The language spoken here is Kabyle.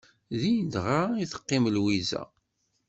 Din dɣa i teqqim Lwiza.